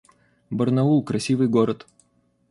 Барнаул — красивый город